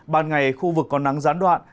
ban ngày khu vực có nắng gián đoạn